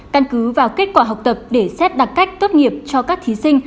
căn cứ vào kết quả học tập để xét đặc cách tốt nghiệp cho các thí sinh